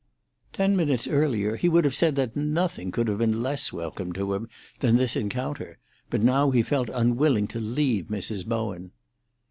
Ten minutes earlier he would have said that nothing could have been less welcome to him than this encounter, but now he felt unwilling to leave Mrs. Bowen.